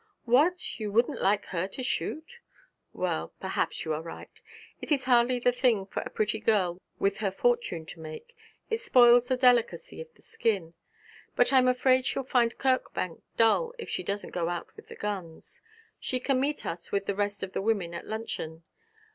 'What! you wouldn't like her to shoot? Well, perhaps you are right. It is hardly the thing for a pretty girl with her fortune to make. It spoils the delicacy of the skin. But I'm afraid she'll find Kirkbank dull if she doesn't go out with the guns. She can meet us with the rest of the women at luncheon.